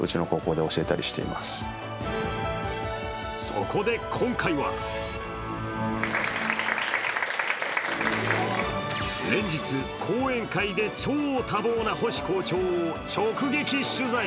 そこで今回は連日、講演会で超多忙な星校長を直接取材。